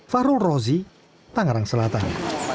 farul rozi tangerang selatan